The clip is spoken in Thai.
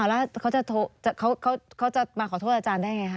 อ้าวแล้วเขาจะเขาจะมาขอโทษอาจารย์ได้ไงคะ